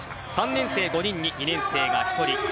３年生、５人に２年生が１人。